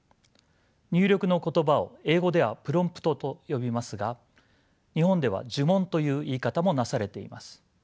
入力の言葉を英語ではプロンプトと呼びますが日本では呪文という言い方もなされています。